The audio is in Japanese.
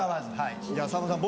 さんまさん